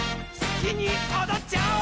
すきにおどっちゃおう！